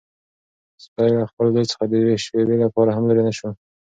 سپی له خپل ځای څخه د یوې شېبې لپاره هم لیرې نه شو.